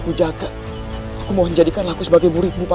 bukankah kamu sudah mengatakan bahwa kamu mempunyai seorang ibu